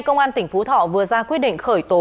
công an tỉnh phú thọ vừa ra quyết định khởi tố